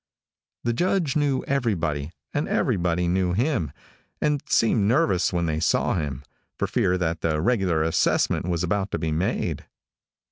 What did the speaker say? The Judge knew everybody, and everybody knew him, and seemed nervous when they saw him, for fear that the regular assessment was about to be made.